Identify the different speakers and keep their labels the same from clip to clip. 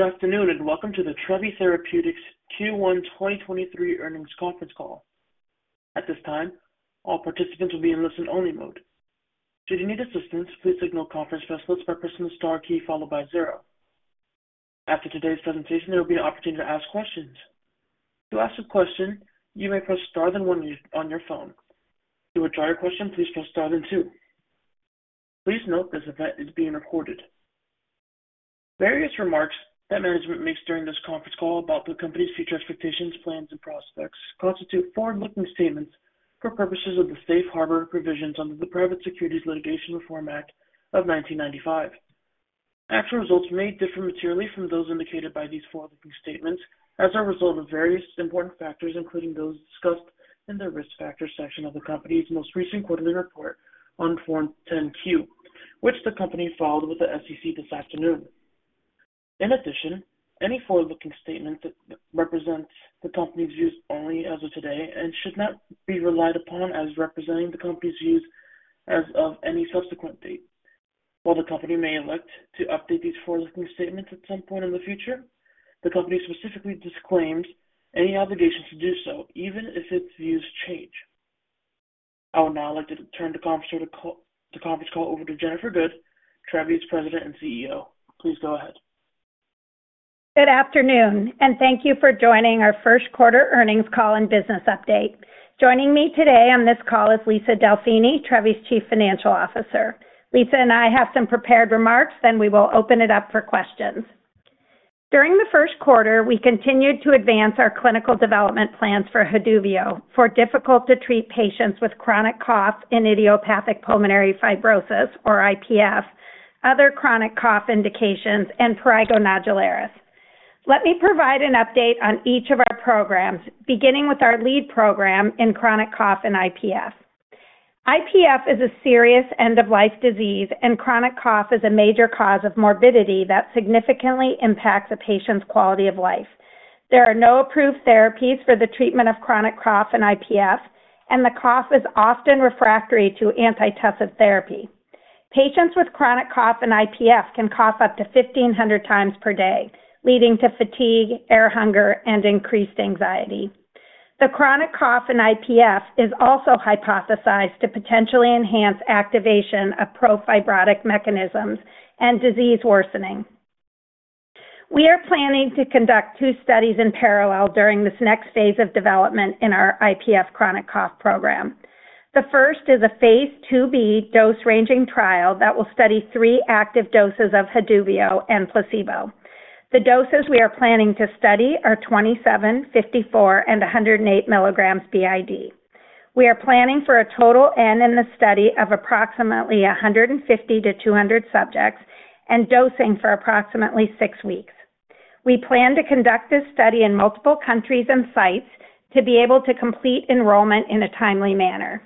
Speaker 1: Good afternoon, welcome to the Trevi Therapeutics Q1 2023 earnings conference call. At this time, all participants will be in listen-only mode. Should you need assistance, please signal conference specialists by pressing the star key followed by zero. After today's presentation, there will be an opportunity to ask questions. To ask a question, you may press star then one on your phone. To withdraw your question, please press star then two. Please note this event is being recorded. Various remarks that management makes during this conference call about the company's future expectations, plans, and prospects constitute forward-looking statements for purposes of the safe harbor provisions under the Private Securities Litigation Reform Act of 1995. Actual results may differ materially from those indicated by these forward-looking statements as a result of various important factors, including those discussed in the Risk Factors section of the company's most recent quarterly report on Form 10-Q, which the company filed with the SEC this afternoon. In addition, any forward-looking statement that represents the company's views only as of today and should not be relied upon as representing the company's views as of any subsequent date. While the company may elect to update these forward-looking statements at some point in the future, the company specifically disclaims any obligation to do so, even if its views change. I would now like to turn the conference call over to Jennifer Good, Trevi's President and CEO. Please go ahead.
Speaker 2: Good afternoon, and thank you for joining our first quarter earnings call and business update. Joining me today on this call is Lisa Delfini, Trevi's Chief Financial Officer. Lisa and I have some prepared remarks, then we will open it up for questions. During the first quarter, we continued to advance our clinical development plans for Haduvio for difficult to treat patients with chronic cough and idiopathic pulmonary fibrosis or IPF, other chronic cough indications, andPrurigo Nodularis. Let me provide an update on each of our programs, beginning with our lead program in chronic cough and IPF. IPF is a serious end-of-life disease, and chronic cough is a major cause of morbidity that significantly impacts a patient's quality of life. There are no approved therapies for the treatment of chronic cough and IPF, and the cough is often refractory to antitussive therapy. Patients with chronic cough and IPF can cough up to 1,500 times per day, leading to fatigue, air hunger, and increased anxiety. The chronic cough in IPF is also hypothesized to potentially enhance activation of pro-fibrotic mechanisms and disease worsening. We are planning to conduct two studies in parallel during this next phase of development in our IPF chronic cough program. The first is a phase IIb dose-ranging trial that will study three active doses of Haduvio and placebo. The doses we are planning to study are 27 milligrams, 54 milligrams, and 108 milligrams BID. We are planning for a total N in the study of approximately 150-200 subjects and dosing for approximately six weeks. We plan to conduct this study in multiple countries and sites to be able to complete enrollment in a timely manner.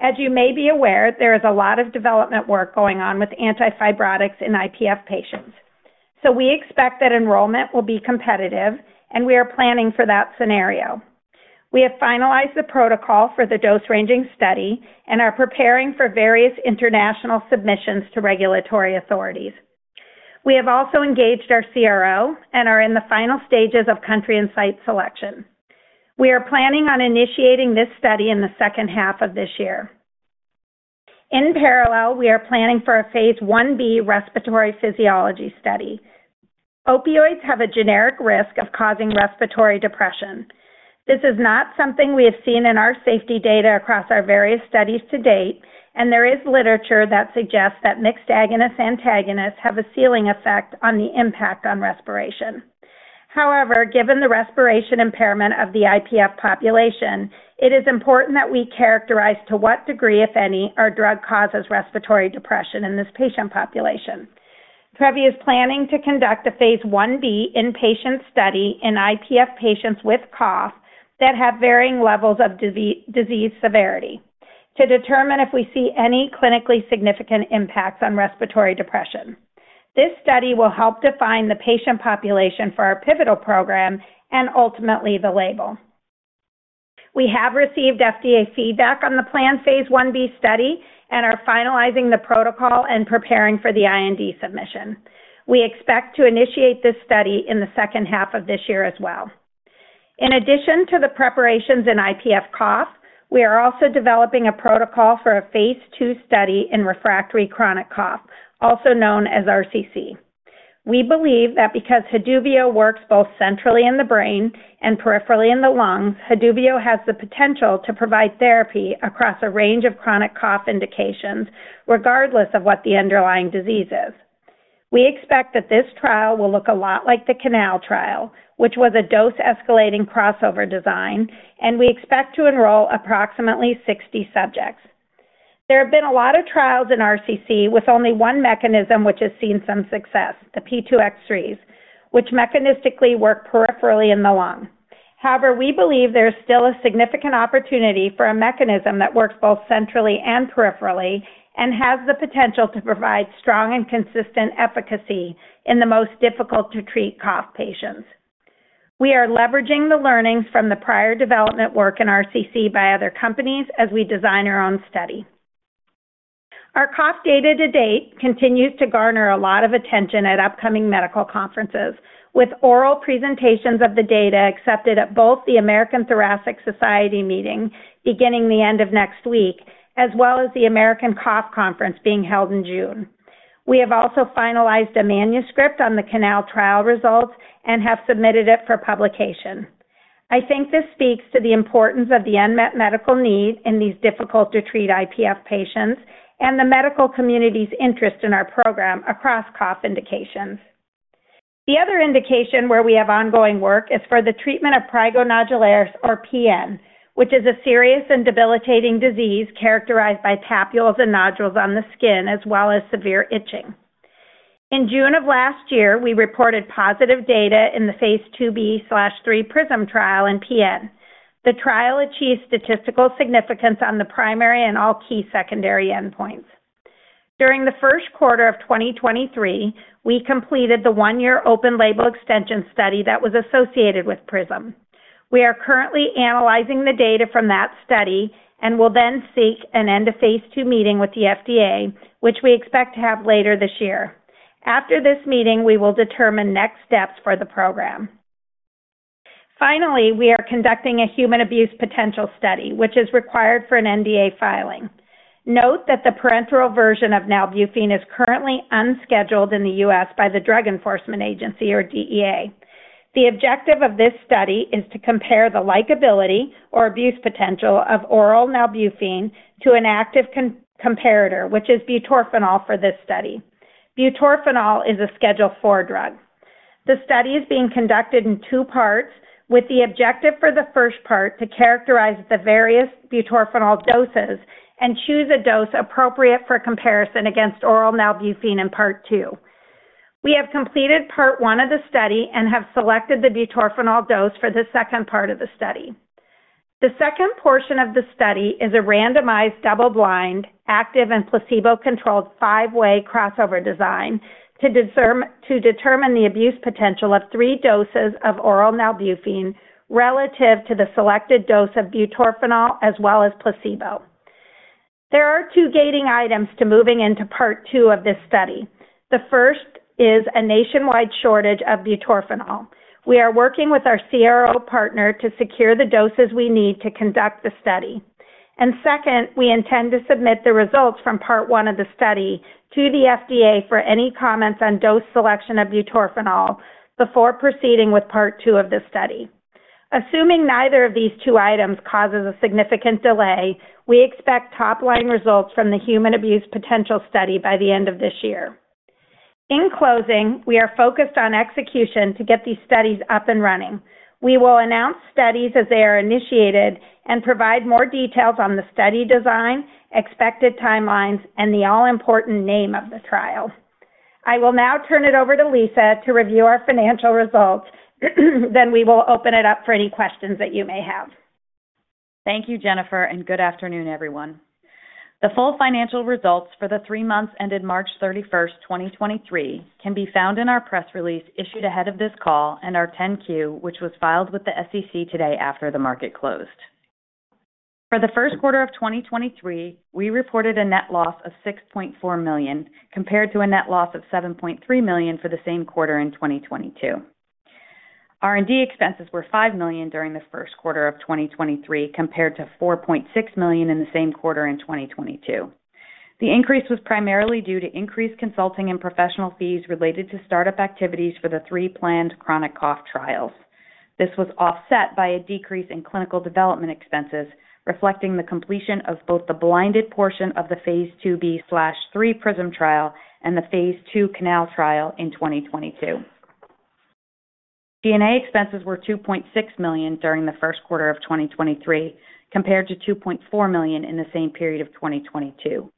Speaker 2: As you may be aware, there is a lot of development work going on with anti-fibrotics in IPF patients, so we expect that enrollment will be competitive and we are planning for that scenario. We have finalized the protocol for the dose-ranging study and are preparing for various international submissions to regulatory authorities. We have also engaged our CRO and are in the final stages of country and site selection. We are planning on initiating this study in the second half of this year. In parallel, we are planning for a phase Ib respiratory physiology study. Opioids have a generic risk of causing respiratory depression. This is not something we have seen in our safety data across our various studies to date, and there is literature that suggests that mixed agonist-antagonists have a ceiling effect on the impact on respiration. However, given the respiration impairment of the IPF population, it is important that we characterize to what degree, if any, our drug causes respiratory depression in this patient population. Trevi is planning to conduct a phase Ib in-patient study in IPF patients with cough that have varying levels of disease severity to determine if we see any clinically significant impacts on respiratory depression. This study will help define the patient population for our pivotal program and ultimately the label. We have received FDA feedback on the planned phase Ib study and are finalizing the protocol and preparing for the IND submission. We expect to initiate this study in the second half of this year as well. In addition to the preparations in IPF cough, we are also developing a protocol for a phase II study in refractory chronic cough, also known as RCC. We believe that because Haduvio works both centrally in the brain and peripherally in the lungs, Haduvio has the potential to provide therapy across a range of chronic cough indications, regardless of what the underlying disease is. We expect that this trial will look a lot like the CANAL trial, which was a dose-escalating crossover design, and we expect to enroll approximately 60 subjects. There have been a lot of trials in RCC with only one mechanism which has seen some success, the P2X3s, which mechanistically work peripherally in the lung. However, we believe there is still a significant opportunity for a mechanism that works both centrally and peripherally and has the potential to provide strong and consistent efficacy in the most difficult to treat cough patients. We are leveraging the learnings from the prior development work in RCC by other companies as we design our own study. Our cough data to date continues to garner a lot of attention at upcoming medical conferences, with oral presentations of the data accepted at both the American Thoracic Society meeting beginning the end of next week, as well as the American Cough Conference being held in June. We have also finalized a manuscript on the CANAL trial results and have submitted it for publication. I think this speaks to the importance of the unmet medical need in these difficult to treat IPF patients and the medical community's interest in our program across cough indications. The other indication where we have ongoing work is for the treatment of Prurigo Nodularis, or PN, which is a serious and debilitating disease characterized by papules and nodules on the skin, as well as severe itching. In June of last year, we reported positive data in the phase IIb/3 PRISM trial in PN. The trial achieved statistical significance on the primary and all key secondary endpoints. During the 1st quarter of 2023, we completed the one-year open label extension study that was associated with PRISM. We are currently analyzing the data from that study and will then seek an end of phase two meeting with the FDA, which we expect to have later this year. After this meeting, we will determine next steps for the program. Finally, we are conducting a human abuse potential study, which is required for an NDA filing. Note that the parenteral version of nalbuphine is currently unscheduled in the U.S. by the Drug Enforcement Administration, or DEA. The objective of this study is to compare the likability or abuse potential of oral nalbuphine to an active comparator, which is butorphanol for this study. Butorphanol is a Schedule IV drug. The study is being conducted in two parts, with the objective for the first part to characterize the various butorphanol doses and choose a dose appropriate for comparison against oral nalbuphine in part two. We have completed part one of the study and have selected the butorphanol dose for the second part of the study. The second portion of the study is a randomized, double-blind, active, and placebo-controlled five-way crossover design to determine the abuse potential of three doses of oral nalbuphine relative to the selected dose of butorphanol as well as placebo. There are two gating items to moving into part two of this study. The first is a nationwide shortage of butorphanol. We are working with our CRO partner to secure the doses we need to conduct the study. Second, we intend to submit the results from part one of the study to the FDA for any comments on dose selection of butorphanol before proceeding with part two of the study. Assuming neither of these two items causes a significant delay, we expect top-line results from the human abuse potential study by the end of this year. In closing, we are focused on execution to get these studies up and running. We will announce studies as they are initiated and provide more details on the study design, expected timelines, and the all-important name of the trial. I will now turn it over to Lisa to review our financial results, then we will open it up for any questions that you may have.
Speaker 3: Thank you, Jennifer. Good afternoon, everyone. The full financial results for the three months ended March 31st, 2023 can be found in our press release issued ahead of this call and our 10-Q, which was filed with the SEC today after the market closed. For the first quarter of 2023, we reported a net loss of $6.4 million, compared to a net loss of $7.3 million for the same quarter in 2022. R&D expenses were $5 million during the first quarter of 2023, compared to $4.6 million in the same quarter in 2022. The increase was primarily due to increased consulting and professional fees related to startup activities for the three planned chronic cough trials. This was offset by a decrease in clinical development expenses, reflecting the completion of both the blinded portion of the phase IIb/3 PRISM trial and the phase II CANAL trial in 2022. G&A expenses were $2.6 million during the first quarter of 2023, compared to $2.4 million in the same period of 2022.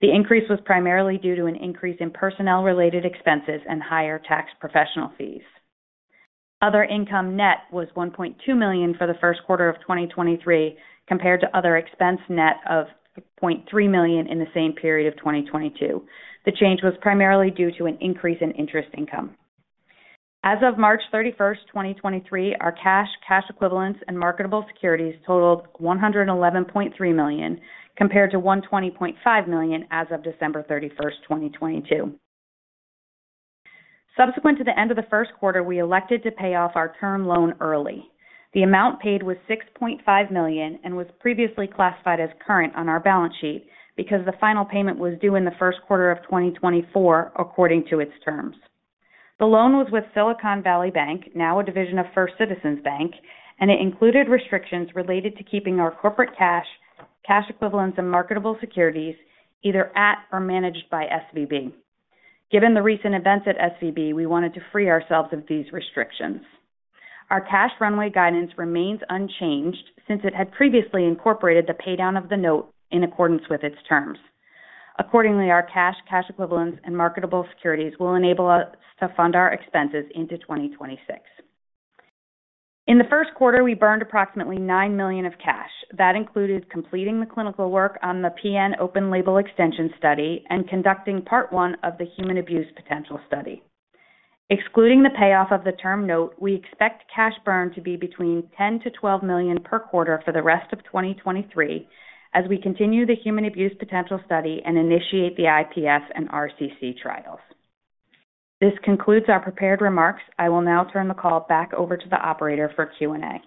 Speaker 3: The increase was primarily due to an increase in personnel-related expenses and higher tax professional fees. Other income net was $1.2 million for the first quarter of 2023, compared to other expense net of $0.3 million in the same period of 2022. The change was primarily due to an increase in interest income. As of March 31st, 2023, our cash equivalents, and marketable securities totaled $111.3 million, compared to $120.5 million as of December 31st, 2022. Subsequent to the end of the first quarter, we elected to pay off our term loan early. The amount paid was $6.5 million and was previously classified as current on our balance sheet because the final payment was due in the first quarter of 2024 according to its terms. The loan was with Silicon Valley Bank, now a division of First Citizens Bank, and it included restrictions related to keeping our corporate cash equivalents, and marketable securities either at or managed by SVB. Given the recent events at SVB, we wanted to free ourselves of these restrictions. Our cash runway guidance remains unchanged since it had previously incorporated the paydown of the note in accordance with its terms. Accordingly, our cash equivalents, and marketable securities will enable us to fund our expenses into 2026. In the first quarter, we burned approximately $9 million of cash. That included completing the clinical work on the PN open label extension study and conducting part one of the human abuse potential study. Excluding the payoff of the term note, we expect cash burn to be between $10 million-$12 million per quarter for the rest of 2023 as we continue the human abuse potential study and initiate the IPF and RCC trials. This concludes our prepared remarks. I will now turn the call back over to the operator for Q&A.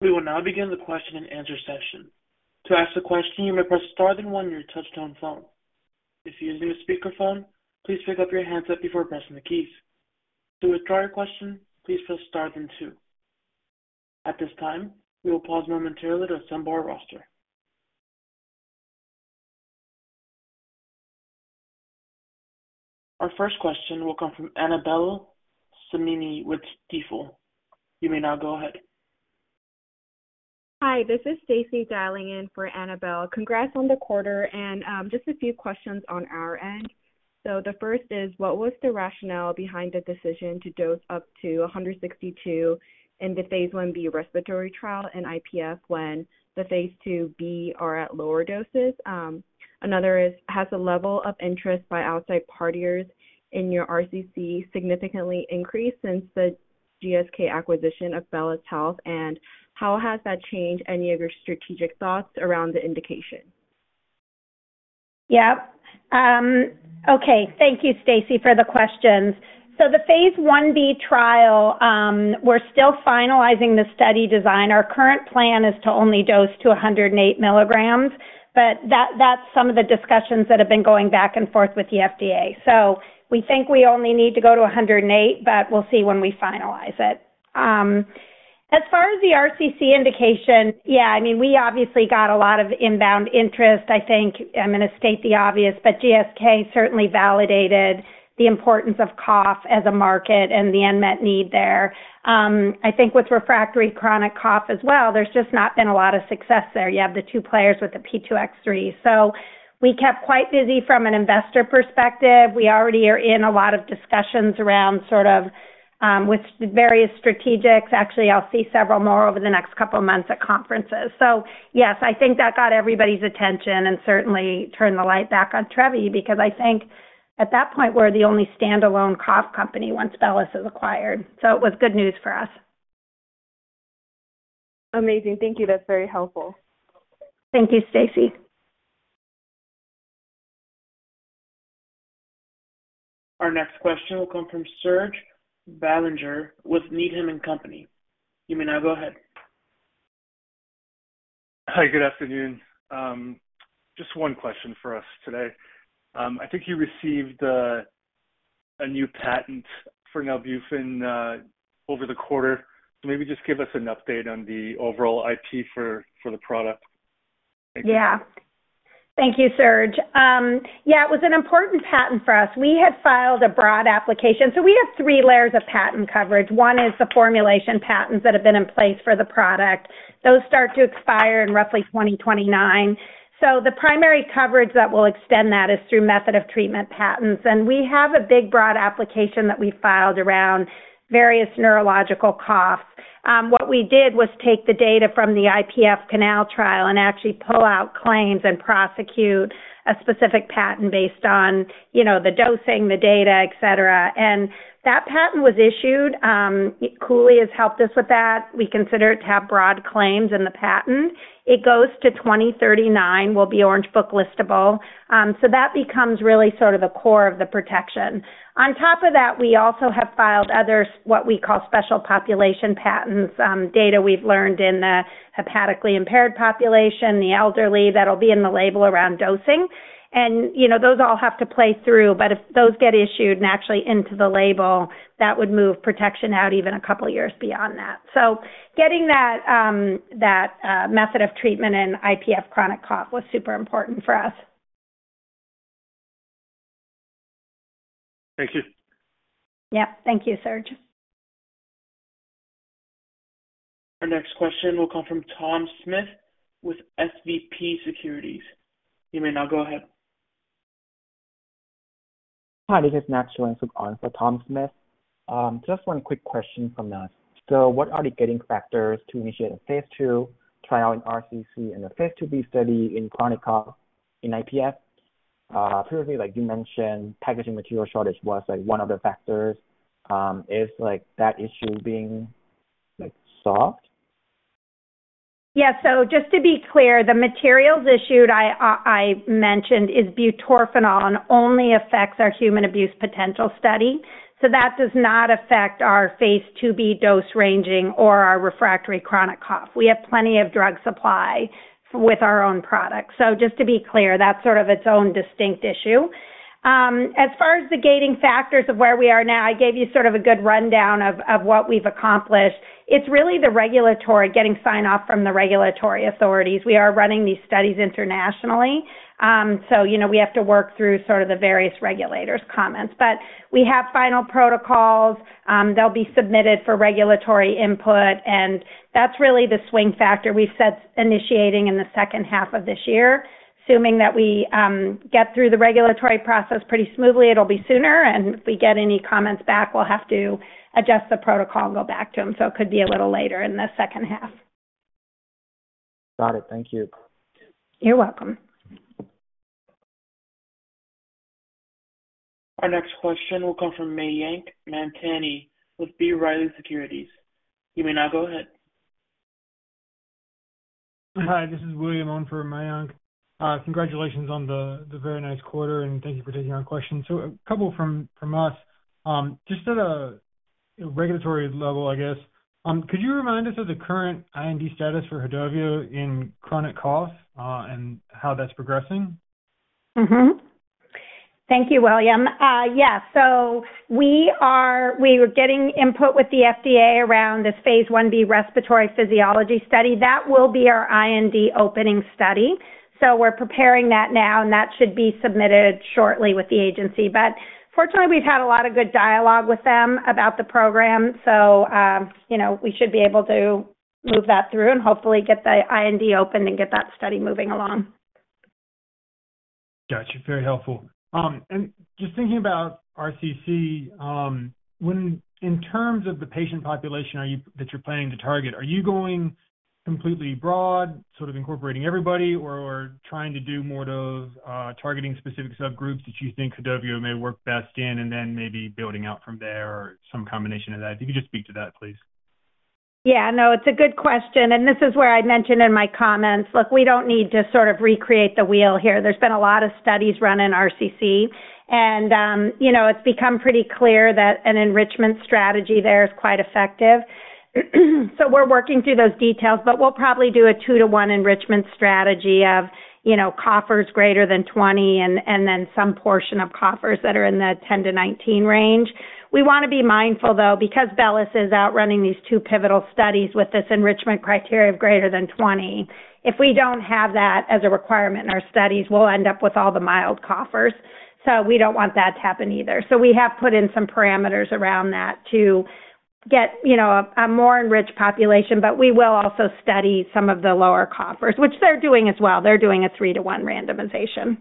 Speaker 1: We will now begin the question and answer session. To ask the question, you may press star then one your touchtone phone. If using a speakerphone, please pick up your handset before pressing the keys. To withdraw your question, please press star then two. At this time, we will pause momentarily to assemble our roster. Our first question will come from Annabel Samimy with Stifel. You may now go ahead.
Speaker 4: Hi, this is Stacy dialing in for Annabelle. Congrats on the quarter and just a few questions on our end. The first is what was the rationale behind the decision to dose up to 162 in the phase Ib respiratory trial and IPF when the phase IIb are at lower doses? Another is, has the level of interest by outside partiers in your RCC significantly increased since the GSK acquisition of BELLUS Health, and how has that changed any of your strategic thoughts around the indication?
Speaker 2: Yeah. Okay. Thank you Stacy, for the questions. The phase IB trial, we're still finalizing the study design. Our current plan is to only dose to 108 milligrams, but that's some of the discussions that have been going back and forth with the FDA. We think we only need to go to 108, but we'll see when we finalize it. As far as the RCC indication, yeah, I mean, we obviously got a lot of inbound interest. I think I'm gonna state the obvious, but GSK certainly validated the importance of cough as a market and the unmet need there. I think with refractory chronic cough as well, there's just not been a lot of success there. You have the two players with the P2X3. We kept quite busy from an investor perspective. We already are in a lot of discussions around sort of, with various strategics. Actually, I'll see several more over the next couple of months at conferences. Yes, I think that got everybody's attention and certainly turned the light back on Trevi, because I think at that point we're the only standalone cough company once BELLUS Health is acquired. It was good news for us.
Speaker 4: Amazing. Thank you. That's very helpful.
Speaker 2: Thank you, Stacy.
Speaker 1: Our next question will come from Serge Belanger with Needham & Company. You may now go ahead.
Speaker 5: Hi, good afternoon. Just one question for us today. I think you received a new patent for nalbuphine over the quarter. Maybe just give us an update on the overall IP for the product.
Speaker 2: Yeah. Thank you, Serge. Yeah, it was an important patent for us. We had filed a broad application. We have three layers of patent coverage. One is the formulation patents that have been in place for the product. Those start to expire in roughly 2029. The primary coverage that will extend that is through method of treatment patents. We have a big, broad application that we filed around various neurological coughs. What we did was take the data from the IPF CANAL trial and actually pull out claims and prosecute a specific patent based on, you know, the dosing, the data, etc. That patent was issued, Cooley has helped us with that. We consider it to have broad claims in the patent. It goes to 2039, will be Orange Book listable. That becomes really sort of the core of the protection. On top of that, we also have filed other, what we call special population patents, data we've learned in the hepatically impaired population, the elderly, that'll be in the label around dosing. You know, those all have to play through. If those get issued and actually into the label, that would move protection out even a couple years beyond that. Getting that method of treatment in IPF chronic cough was super important for us.
Speaker 5: Thank you.
Speaker 2: Yeah. Thank you, Serge.
Speaker 1: Our next question will come from Thomas Smith with SVB Securities. You may now go ahead.
Speaker 6: Hi, this is Max Masucci sub on for Thomas Smith. Just one quick question from us. What are the gating factors to initiate a phase II trial in RCC and a phase IIb study in chronic cough in IPF? Previously, you mentioned, packaging material shortage was one of the factors. Is that issue being solved?
Speaker 2: Yeah. Just to be clear, the materials issued I mentioned is butorphanol and only affects our human abuse potential study. That does not affect our phase IIb dose ranging or our refractory chronic cough. We have plenty of drug supply with our own product. Just to be clear, that's sort of its own distinct issue. As far as the gating factors of where we are now, I gave you sort of a good rundown of what we've accomplished. It's really the regulatory, getting sign off from the regulatory authorities. We are running these studies internationally. You know, we have to work through sort of the various regulators comments. We have final protocols. They'll be submitted for regulatory input, and that's really the swing factor. We've set initiating in the second half of this year. Assuming that we get through the regulatory process pretty smoothly, it'll be sooner. If we get any comments back, we'll have to adjust the protocol and go back to them. It could be a little later in the second half.
Speaker 7: Got it. Thank you.
Speaker 2: You're welcome.
Speaker 1: Our next question will come from Mayank Mamtani with B. Riley Securities. You may now go ahead.
Speaker 7: Hi, this is William on for Mayank. Congratulations on the very nice quarter, and thank you for taking our question. A couple from us. Just at a regulatory level, I guess, could you remind us of the current IND status for Haduvio in chronic cough, and how that's progressing?
Speaker 2: Thank you, William. Yeah. We were getting input with the FDA around this phase Ib respiratory physiology study. That will be our IND opening study. We're preparing that now, and that should be submitted shortly with the agency. Fortunately, we've had a lot of good dialogue with them about the program. You know, we should be able to move that through and hopefully get the IND open and get that study moving along.
Speaker 7: Got you. Very helpful. Just thinking about RCC, in terms of the patient population, that you're planning to target, are you going completely broad, sort of incorporating everybody or trying to do more of, targeting specific subgroups that you think Haduvio may work best in and then maybe building out from there or some combination of that? If you could just speak to that, please.
Speaker 2: Yeah. No, it's a good question. This is where I mentioned in my comments, look, we don't need to sort of recreate the wheel here. There's been a lot of studies run in RCC and, you know, it's become pretty clear that an enrichment strategy there is quite effective. We're working through those details, but we'll probably do a two-to-one enrichment strategy of, you know, coughers greater than 20 and then some portion of coughers that are in the 10 - 19 range. We wanna be mindful, though, because Bellus is out running these two pivotal studies with this enrichment criteria of greater than 20. If we don't have that as a requirement in our studies, we'll end up with all the mild coughers, so we don't want that to happen either. We have put in some parameters around that to get, you know, a more enriched population, but we will also study some of the lower coughers, which they're doing as well. They're doing a 3:1 randomization.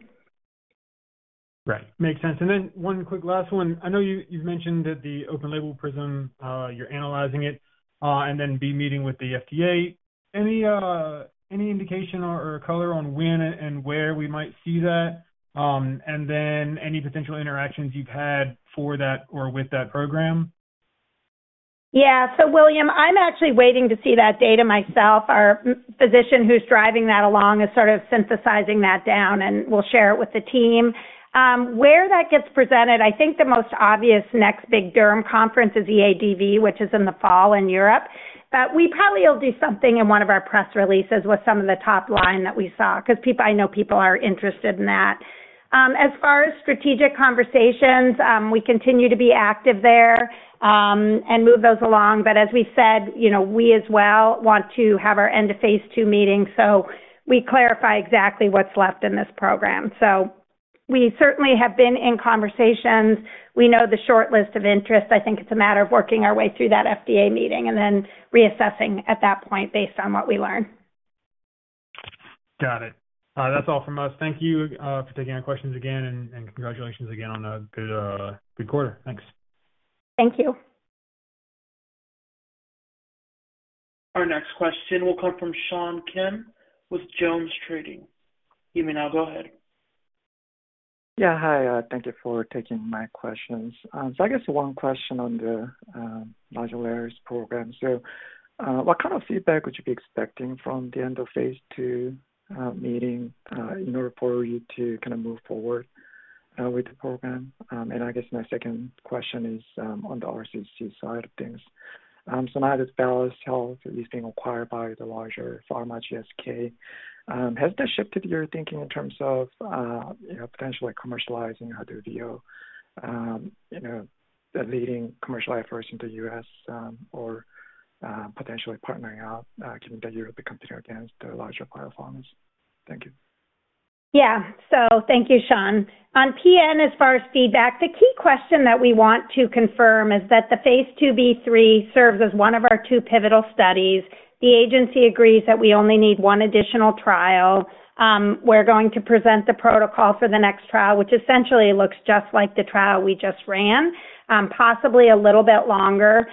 Speaker 7: Right. Makes sense. One quick last one. I know you've mentioned that the open label PRISM, you're analyzing it, and then be meeting with the FDA. Any indication or color on when and where we might see that? Any potential interactions you've had for that or with that program?
Speaker 2: William, I'm actually waiting to see that data myself. Our physician who's driving that along is sort of synthesizing that down, we'll share it with the team. Where that gets presented, I think the most obvious next big derm conference is EADV, which is in the fall in Europe. We probably will do something in one of our press releases with some of the top line that we saw, 'cause I know people are interested in that. As far as strategic conversations, we continue to be active there, move those along. As we said, you know, we as well want to have our end of phase II meeting, so we clarify exactly what's left in this program. We certainly have been in conversations. We know the short list of interest. I think it's a matter of working our way through that FDA meeting and then reassessing at that point based on what we learn.
Speaker 7: Got it. That's all from us. Thank you for taking our questions again, and congratulations again on a good quarter. Thanks.
Speaker 2: Thank you.
Speaker 1: Our next question will come from Sean Kim with JonesTrading. You may now go ahead.
Speaker 7: Hi, thank you for taking my questions. I guess one question on the modular programs. What kind of feedback would you be expecting from the end of phase two meeting in order for you to kinda move forward with the program? I guess my second question is on the RCC side of things. Now that BELLUS Health is being acquired by the larger pharma GSK, has that shifted your thinking in terms of, you know, potentially commercializing Haduvio, you know, the leading commercial efforts in the U.S., potentially partnering up, can you compete against the larger biopharmas? Thank you.
Speaker 2: Thank you, Sean. On PN, as far as feedback, the key question that we want to confirm is that the phase IIb/three serves as one of our two pivotal studies. The agency agrees that we only need one additional trial. We're going to present the protocol for the next trial, which essentially looks just like the trial we just ran, possibly a little bit longer.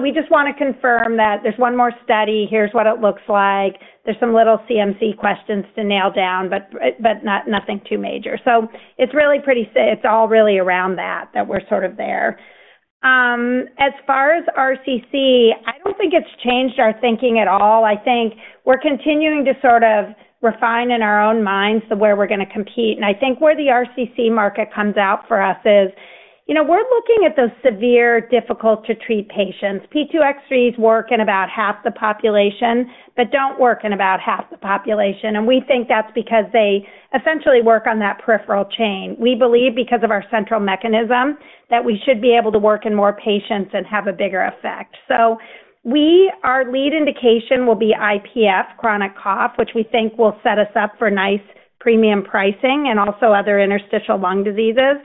Speaker 2: We just wanna confirm that there's one more study. Here's what it looks like. There's some little CMC questions to nail down, but nothing too major. It's really pretty, it's all really around that we're sort of there. As far as RCC, I don't think it's changed our thinking at all. I think we're continuing to sort of refine in our own minds to where we're gonna compete. I think where the RCC market comes out for us is, you know, we're looking at those severe, difficult to treat patients. P2X3s work in about half the population, but don't work in about half the population. We think that's because they essentially work on that peripheral chain. We believe because of our central mechanism, that we should be able to work in more patients and have a bigger effect. Our lead indication will be IPF chronic cough, which we think will set us up for nice premium pricing and also other interstitial lung diseases.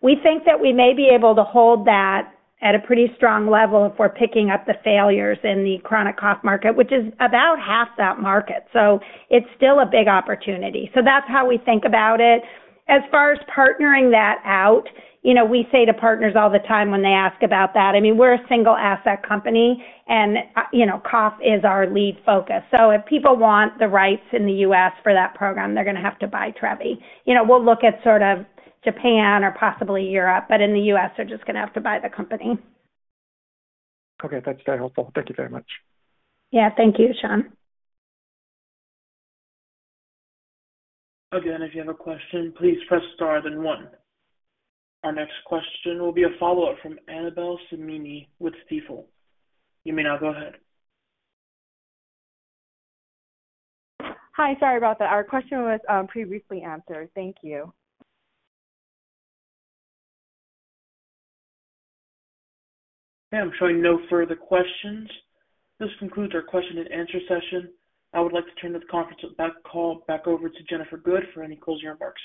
Speaker 2: We think that we may be able to hold that at a pretty strong level if we're picking up the failures in the chronic cough market, which is about half that market. It's still a big opportunity. That's how we think about it. As far as partnering that out, you know, we say to partners all the time when they ask about that, I mean, we're a single asset company and, you know, cough is our lead focus. If people want the rights in the U.S. for that program, they're gonna have to buy Trevi. You know, we'll look at sort of Japan or possibly Europe, but in the U.S., they're just gonna have to buy the company.
Speaker 8: Okay. That's very helpful. Thank you very much.
Speaker 2: Yeah. Thank you, Sean.
Speaker 1: Again, if you have a question, please press Star then one. Our next question will be a follow-up from Annabel Samimy with Stifel. You may now go ahead.
Speaker 7: Hi, sorry about that. Our question was, previously answered. Thank you.
Speaker 1: Okay, I'm showing no further questions. This concludes our question and answer session. I would like to turn this conference call back over to Jennifer Good for any closing remarks.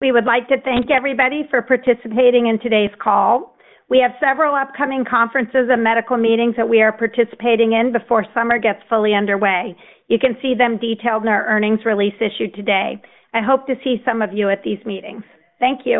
Speaker 2: We would like to thank everybody for participating in today's call. We have several upcoming conferences and medical meetings that we are participating in before summer gets fully underway. You can see them detailed in our earnings release issued today. I hope to see some of you at these meetings. Thank you.